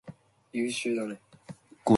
Gusts of have already been recorded there.